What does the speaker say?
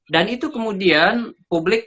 dan itu kemudian publik